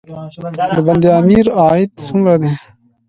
د بند امیر عاید څومره دی؟